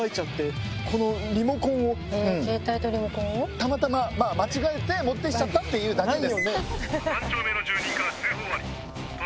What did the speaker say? たまたま間違えて持って来ちゃったってだけです。